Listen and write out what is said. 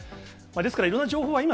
ですからいろんな情報は今、